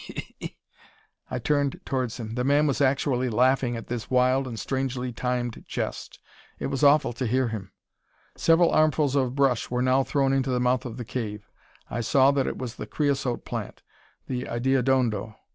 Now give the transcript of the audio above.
he!" I turned towards him. The man was actually laughing at this wild and strangely timed jest. It was awful to hear him. Several armfuls of brush were now thrown into the mouth of the cave. I saw that it was the creosote plant, the ideodondo.